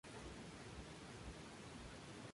El diagnóstico es radiológico, incluso antes del parto.